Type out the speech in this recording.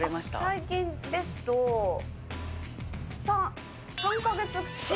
最近ですと、３、３か月。